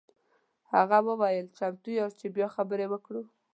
هغه وویل چمتو یاست چې بیا خبرې وکړو.